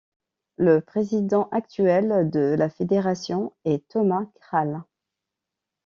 Le président actuel de la fédération est Tomáš Král.